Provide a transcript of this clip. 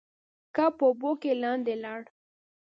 کب په اوبو کې لاندې لاړ.